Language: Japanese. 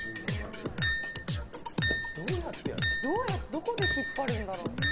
どこで引っ張るんだろ？